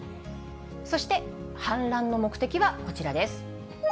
そして、反乱の目的はこちらです。